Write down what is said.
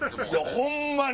ホンマに！